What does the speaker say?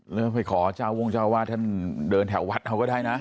แล้วไปขอเจ้าวงเจ้าวาดท่านเดินแถววัดเอาก็ได้นะ